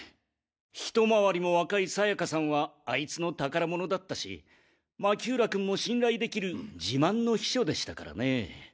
ひと回りも若いさやかさんはあいつの宝物だったし巻浦君も信頼できる自慢の秘書でしたからね。